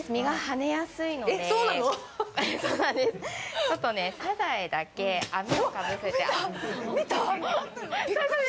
ちょっとサザエだけ網をかぶせて。